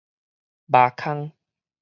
貓空